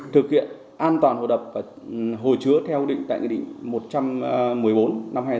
thực hiện an toàn hồ đập và hồ chứa theo định một trăm một mươi bốn năm hai nghìn một mươi tám của chính phủ